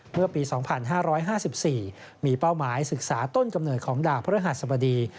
เมื่อปี๒๕๕๔มีเป้าหมายศึกษาต้นกำเนิดของดาวพระฤหัสบดี